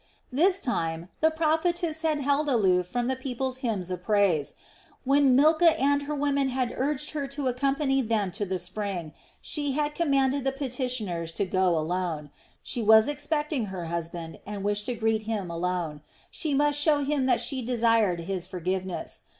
This time the prophetess had held aloof from the people's hymns of praise. When Milcah and her women had urged her to accompany them to the spring, she had commanded the petitioners to go alone. She was expecting her husband and wished to greet him alone; she must show him that she desired his forgiveness.